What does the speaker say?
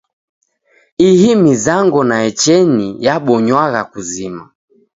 Ihi mizango naecheni yabonywagha kuzima.